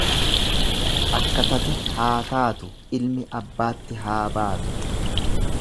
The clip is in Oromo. Akka tate haataatu ilmi abbaatti haa baatu.